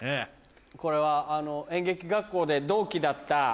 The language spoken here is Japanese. これは演劇学校で同期だった。